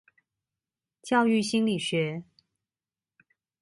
教育心理學